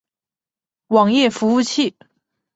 网页服务器。